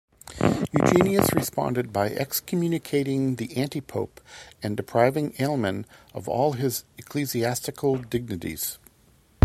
Eugenius responded by excommunicating the antipope and depriving Aleman of all his ecclesiastical dignities.